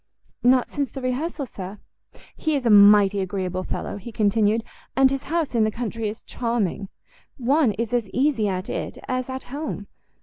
"Not since the rehearsal, sir." "He is a mighty agreeable fellow," he continued, "and his house in the country is charming. One is as easy at it as at home.